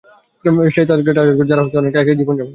সেই তাদেরকেই টার্গেট করছে যারা অনেকটা একাকী জীবন-যাপন করতো।